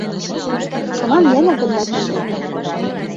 Шунан йәнә бында килдем.